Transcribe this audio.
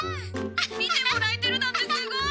「見てもらえてるなんてすごい」。